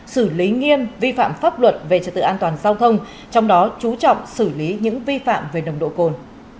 xử lý nghiêm vi phạm pháp luật về trật tự an toàn giao thông trong đó chú trọng xử lý những vi phạm về nồng độ cồn